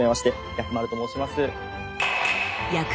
薬丸と申します。